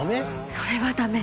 それは駄目。